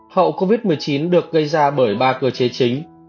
hậu covid một mươi chín được gây ra bởi ba cơ chế chính